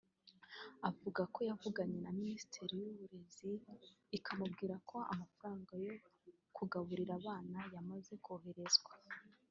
Avuga ko yavuganye na Minisiteri y’Uburezi ikamubwira ko amafaranga yo kugaburira abana yamaze koherezwa